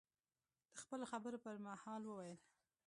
د خپلو خبرو په مهال، وویل: